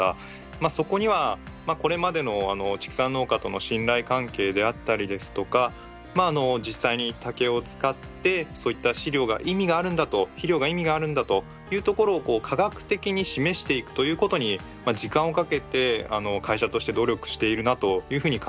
そこにはこれまでの畜産農家との信頼関係であったりですとか実際に竹を使ってそういった飼料が意味があるんだと肥料が意味があるんだというところを科学的に示していくということに時間をかけて会社として努力しているなというふうに感じました。